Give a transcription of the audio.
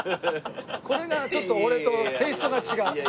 これがちょっと俺とテイストが違う。